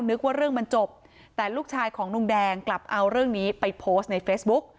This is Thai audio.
นึกว่าเรื่องมันจบแต่ลูกชายของลุงแดงกลับเอาเรื่องนี้ไปโพสต์ในเฟซบุ๊ก